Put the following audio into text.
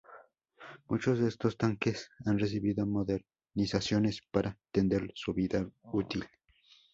Muchos de estos tanques han recibido modernizaciones para extender su vida útil.